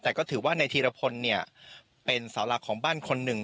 แต่ก็ถือว่าในธีรพลเนี่ยเป็นเสาหลักของบ้านคนหนึ่ง